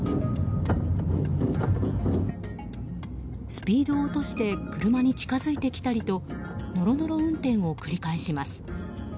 スピードを落として車に近づいてきたりとノロノロ運転を繰り返します。